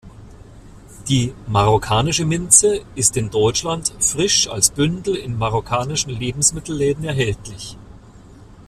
Die "Marokkanische Minze" ist in Deutschland frisch als Bündel in marokkanischen Lebensmittelläden erhältlich.